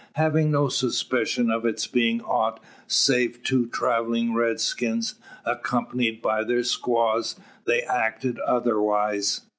Having no suspicion of its being ought save two travelling redskins, accompanied by their squaws, they acted otherwise.